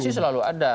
potensi selalu ada